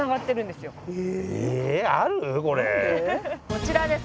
こちらです！